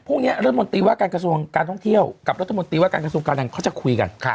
พรุ่งนี้รัฐมนตรีว่าการกระทรวงการท่องเที่ยวกับรัฐมนตรีว่าการกระทรวงการคลังเขาจะคุยกัน